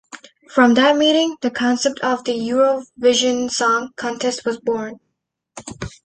From that meeting, the concept of the Eurovision Song Contest was born.